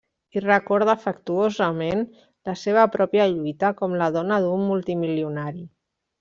I recorda afectuosament la seva pròpia lluita com la dona d'un multimilionari.